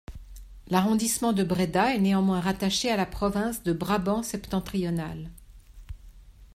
L'arrondissement de Bréda est néanmoins rattaché à la province de Brabant-Septentrional.